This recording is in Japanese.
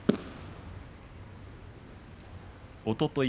おととい